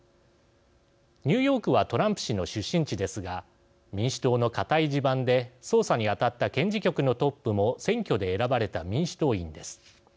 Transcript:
ニューヨークはトランプ氏の出身地ですが民主党の固い地盤で捜査に当たった検事局のトップも選挙で選ばれた民主党員です。